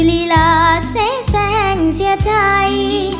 นั่นคือลีลาเส้นแสงเสียใจ